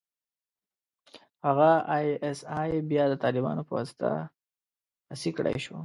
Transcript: هغه ای اس ای بيا د طالبانو په واسطه خصي کړای شو.